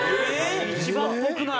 一番ぽくない。